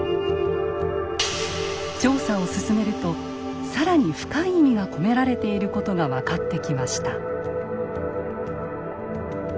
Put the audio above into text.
調査を進めるとさらに深い意味が込められていることが分かってきました。